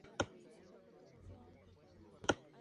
El Metro de Madrid tampoco da servicio al barrio.